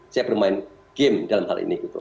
saya bermain game dalam hal ini gitu